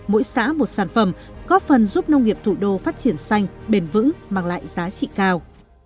mỗi xã một sản phẩm góp phần giúp nông nghiệp thủ đô phát triển xanh bền vững mang lại giá trị cao